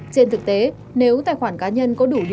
trên thực tế nếu tài khoản cá nhân có đủ điều kiện